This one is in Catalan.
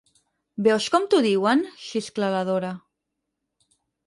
Veus com t'ho diuen? —xiscla la Dora—.